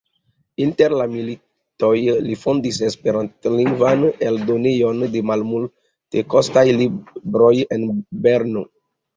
Inter la militoj li fondis esperantlingvan eldonejon de malmultekostaj libroj en Brno.